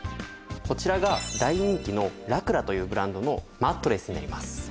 こちらが大人気のラクラというブランドのマットレスになります。